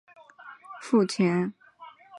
验货完再付钱